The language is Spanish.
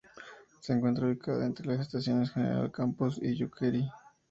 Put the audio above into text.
Se encuentra ubicada entre las estaciones General Campos y Yuquerí.